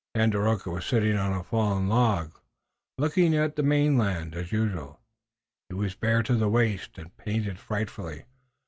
Tandakora was sitting on a fallen log, looking at the mainland. As usual, he was bare to the waist, and painted frightfully.